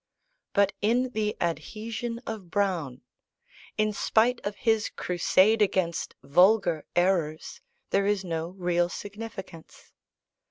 But in the adhesion of Browne, in spite of his crusade against "vulgar errors," there is no real significance.